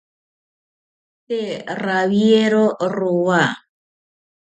Tee rawiero rowa